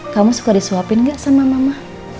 kamu suka disuapin gak sama mama